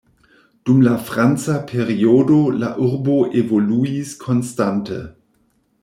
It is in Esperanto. Dum la franca periodo la urbo evoluis konstante.